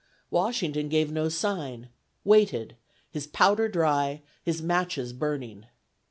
Washington gave no sign; waited, his powder dry, his matches burning.